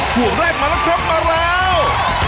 คู่แรกมาแล้วครับมาแล้ว